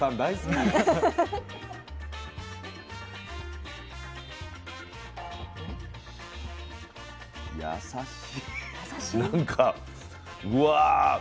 なんかうわ。